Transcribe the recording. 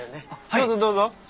どうぞどうぞ。